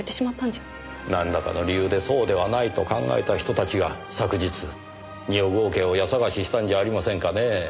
なんらかの理由でそうではないと考えた人たちが昨日二百郷家を家捜ししたんじゃありませんかねぇ。